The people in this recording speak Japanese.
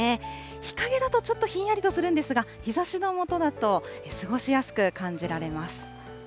日陰だとちょっとひんやりとするんですが、日ざしの下だと、過ごしやすく感じられます。